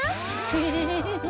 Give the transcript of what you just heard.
フフフフフ。